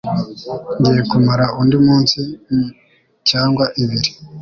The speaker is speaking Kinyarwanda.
Ngiye kumara undi munsi cyangwa ibiri